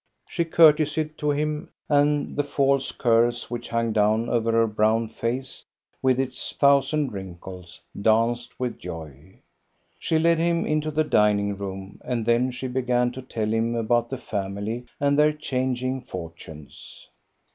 She courtesied to him, and the false curls, which hung down over her brown face with its thousand wrinkles, danced with joy. She led him into the dining room, and then she began to tell him about the family, and their changing fortunes.